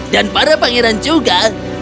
dan para pangeran juga